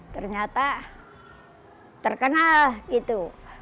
ternyata terkenal gitu